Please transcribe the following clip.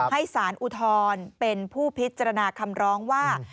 ให้สารอุทธรณ์เป็นผู้พิจารณาคำร้องว่า